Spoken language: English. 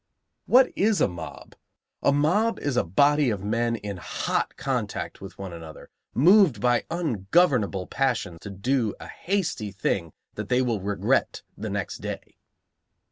What is a mob? A mob is a body of men in hot contact with one another, moved by ungovernable passion to do a hasty thing that they will regret the next day.